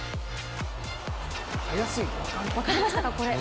分かりましたか？